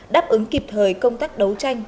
đáp ứng kịp thời công tác đấu tranh